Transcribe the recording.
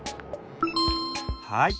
はい。